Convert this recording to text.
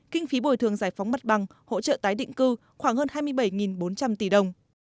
kinh phí bồi thường giải phóng mặt bằng hỗ trợ tái định cư khoảng hơn hai mươi bảy bốn trăm linh tỷ đồng